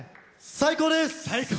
最高です！